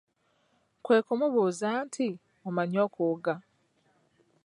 Kwe kumubuuza nti, omanyi okuwuga?